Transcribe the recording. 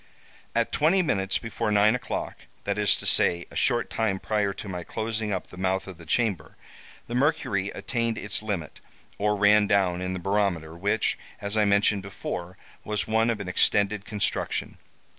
"At twenty minutes before nine o'clock—that is to say, a short time prior to my closing up the mouth of the chamber, the mercury attained its limit, or ran down, in the barometer, which, as I mentioned before, was one of an extended construction.